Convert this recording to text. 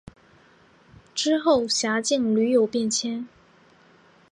之后辖境屡有变迁。